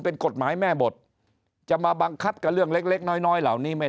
เป็นกฎหมายแม่บทจะมาบังคับกับเรื่องเล็กเล็กน้อยน้อยเหล่านี้ไม่